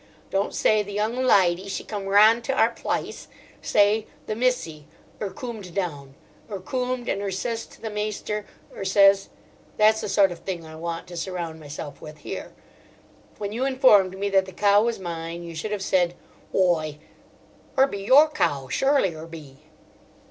Don't say 'The young lydy, she came rahnd to our plice;' say 'The missy, 'er coomed down; 'er coomed, and 'er ses to the maister, 'er ses ...' That's the sort of thing I want to surround myself with here. When you informed me that the cow was mine, you should have said: 'Whoi, 'er be your cow, surelie 'er be.